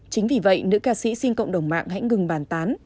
chính vì vậy nữ ca sĩ xin cộng đồng mạng hãy ngừng bàn tán